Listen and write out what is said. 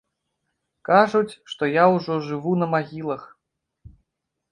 Кажуць, што я ўжо жыву на магілах.